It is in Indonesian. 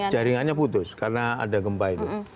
jaringannya putus karena ada gempa itu